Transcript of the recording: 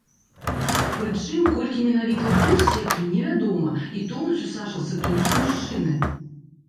Прычым, колькі менавіта дрэў ссеклі не вядома, і тонуць у сажалцы толькі мужчыны.